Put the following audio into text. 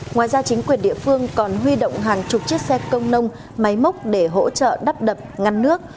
ngoài ra chính quyền địa phương còn huy động hàng chục chiếc xe công nông máy móc để hỗ trợ đắp đập ngăn nước